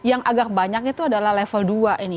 yang agak banyak itu adalah level dua ini